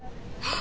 あ！